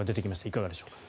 いかがでしょうか。